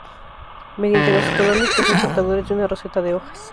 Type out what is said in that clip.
Mediante los estolones que son portadores de una roseta de hojas.